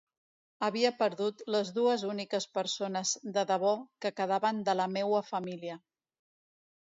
Havia perdut les dues úniques persones de debò que quedaven de la meua família.